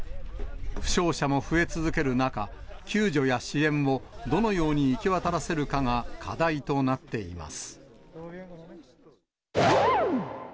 負傷者も増え続ける中、救助や支援をどのように行き渡らせるかが課題となっています。